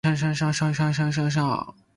雞同鴨點分